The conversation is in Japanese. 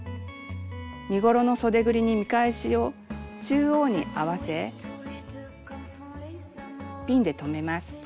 身ごろのそでぐりに見返しを中央に合わせピンで留めます。